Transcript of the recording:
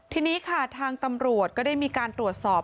ทีนี้ค่ะทางตำรวจก็ได้มีการตรวจสอบ